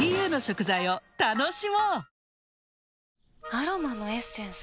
アロマのエッセンス？